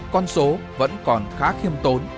con số vẫn còn khá khiêm tốn